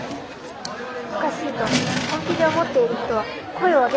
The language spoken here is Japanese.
おかしいと本気で思っている人は声を上げて下さい。